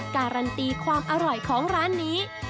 การันตีความอร่อยของร้านนี้